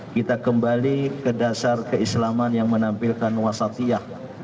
kita kembali ke dasar keislaman yang menampilkan wasatiyah